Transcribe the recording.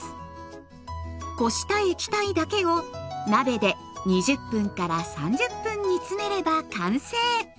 こした液体だけを鍋で２０３０分煮詰めれば完成。